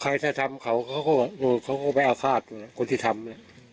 ใครจะทำเขาก็โดนเขาก็ไปเอาฆาตคนที่ทำ